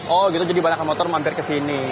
oh jadi banyak yang mau turun mampir ke sini